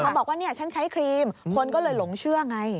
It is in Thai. บอกว่าเนี่ยฉันใช้ครีมคนก็เลยหลงเชื่อไง